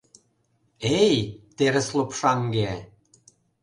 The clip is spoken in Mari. Эй, терыс лопшаҥге!